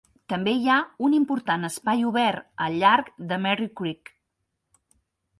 També hi ha un important espai obert al llarg de Merri Creek.